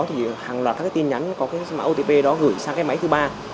thì hàng loạt các cái tin nhắn có cái mạng otp đó gửi sang cái máy thứ ba